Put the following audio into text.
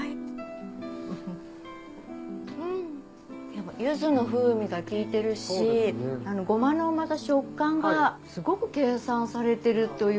やっぱ柚子の風味が効いてるし胡麻のまた食感がすごく計算されてるというか。